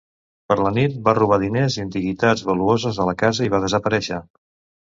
Per la nit va robar diners i antiguitats valuoses de la casa i va desaparèixer.